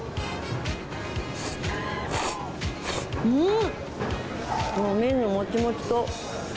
うん！